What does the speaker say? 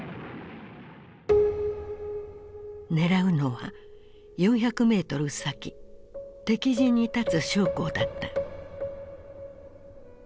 狙うのは４００メートル先敵陣に立つ将校だった。